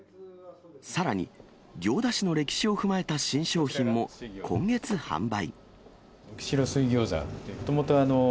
さらに、行田市の歴史を踏まえた新商品も、今月販売。